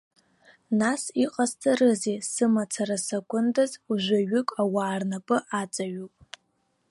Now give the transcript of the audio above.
Нас иҟасҵарызеи, сымацара сакәындаз, жәаҩык ауаа рнапы аҵаҩуп.